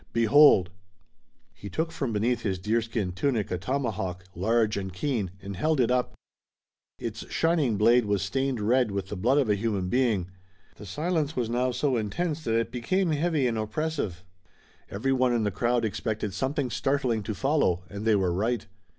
Behold!" He took from beneath his deerskin tunic a tomahawk, large and keen, and held it up. Its shining blade was stained red with the blood of a human being. The silence was now so intense that it became heavy and oppressive. Everyone in the crowd expected something startling to follow, and they were right.